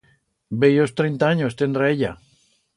Bellos trenta anyos tendrá ella.